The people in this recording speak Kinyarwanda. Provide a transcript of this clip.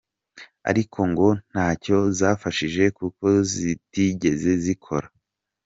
Ariko ngo ntacyo zabafashije kuko zitigize zikora.